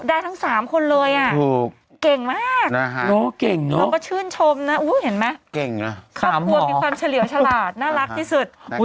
ได้ทั้ง๓คนเลยเก่งมากเราก็ชื่นชมฆ่าครัวมีความเสลี่ยวฉลาดน่ารักที่สุด